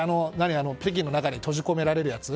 北京の中に閉じ込められるやつ。